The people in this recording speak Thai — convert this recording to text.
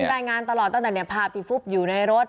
อ่าที่รายงานตลอดตั้งแต่เนี้ยภาพดีปุ้บอยู่ในรถ